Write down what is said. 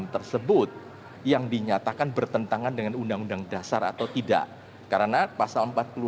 tersebut yang dinyatakan bertentangan dengan undang undang dasar atau tidak karena pasal empat puluh lima